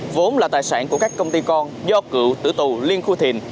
vốn là tài sản của các công ty con do cựu tử tù liên khôi thình